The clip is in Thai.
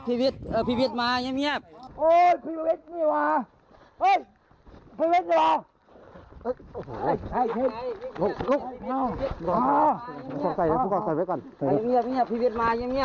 พิเวทมาเยี่ยมเยี่ยม